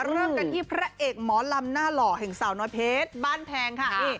เริ่มกันที่พระเอกหมอลำหน้าหล่อแห่งสาวน้อยเพชรบ้านแพงค่ะ